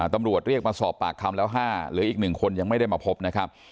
ตำรวจเรียกมาสอบปากคำแล้ว๕หรืออีก๑คนยังไม่ได้มาพบนะครับ